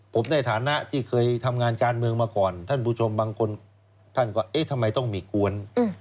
ผมในฐานะที่เคยทำงานการเมืองมาก่อนท่านผู้ชมบางคนท่านก็เอ๊ะทำไมต้องมีกวน